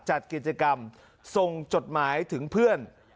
จัดกิจกรรมส่งจดหมายถึงเพื่อน